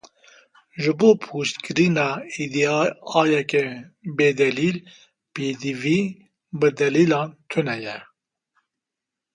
Ji bo pûçkirina îdiayeke bêdelîl, pêdivî bi delîlan tune ye.